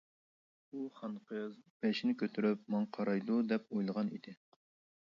ئۇ خانقىز بېشىنى كۆتۈرۈپ ماڭا قارايدۇ دەپ ئويلىغان ئىدى.